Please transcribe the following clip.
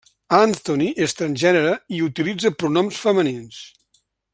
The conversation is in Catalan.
Antony és transgènere i utilitza pronoms femenins.